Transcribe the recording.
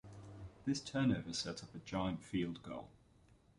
This turnover set up a Giant field goal.